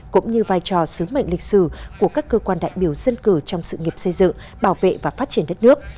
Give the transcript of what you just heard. cũng như vai trò sứ mệnh lịch sử của các cơ quan đại biểu dân cử trong sự nghiệp xây dựng bảo vệ và phát triển đất nước